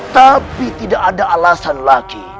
tapi tidak ada alasan lagi